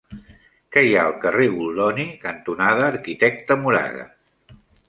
Què hi ha al carrer Goldoni cantonada Arquitecte Moragas?